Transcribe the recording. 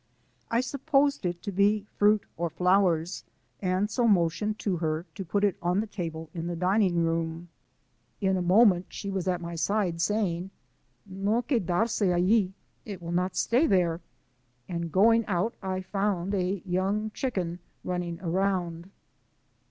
I supposed it to be fruit or flowers, and so motioned to her to put it on the table in the dining room. In a moment she was at my side, saying: AV quedarse aili'* ("It will not stay there''), and going out I found a young chicken running around.